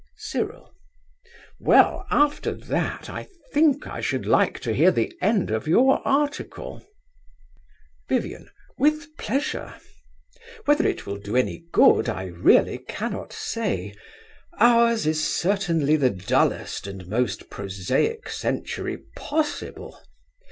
CYRIL. Well, after that I think I should like to hear the end of your article. VIVIAN. With pleasure. Whether it will do any good I really cannot say. Ours is certainly the dullest and most prosaic century possible.